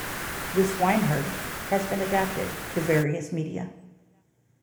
"The Swineherd" has been adapted to various media.